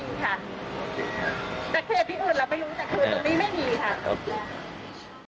ไม่มีค่ะแต่ที่อื่นล่ะไม่มีค่ะ